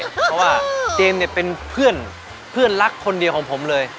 เพราะว่าเจมส์เนี่ยเป็นเพื่อนเพื่อนรักคนเดียวของผมเลย